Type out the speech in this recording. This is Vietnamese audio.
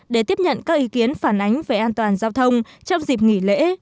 để tiếp nhận các ý kiến phản ánh về an toàn giao thông trong dịp nghỉ lễ